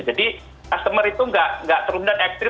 jadi customer itu nggak terundang ekstrim